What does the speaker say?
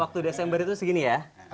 waktu desember itu segini ya